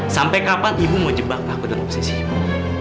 sampai kapan ibu mau jebak aku dan oposisi ibu